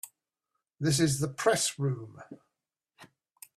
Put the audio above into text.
This is the Press Room.